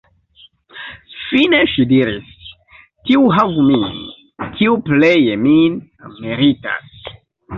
Fine ŝi diris: "Tiu havu min, kiu pleje min meritas".